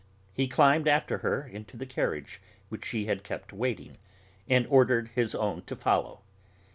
He climbed after her into the carriage which she had kept waiting, and ordered his own to follow.